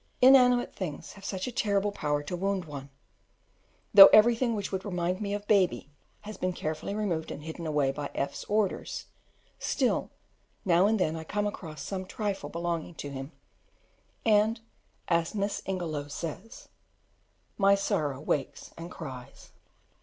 Inanimate things have such a terrible power to wound one: though everything which would remind me of Baby has been carefully removed and hidden away by F 's orders, still now and then I come across some trifle belonging to him, and, as Miss Ingelow says "My old sorrow wakes and cries."